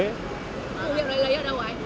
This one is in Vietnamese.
phù hiệu đấy lấy ở đâu ạ